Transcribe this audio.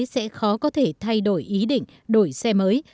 sẽ khó có thể thay đổi ý định đổi xe mới